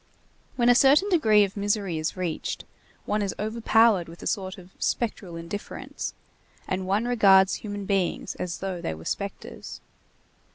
When a certain degree of misery is reached, one is overpowered with a sort of spectral indifference, and one regards human beings as though they were spectres.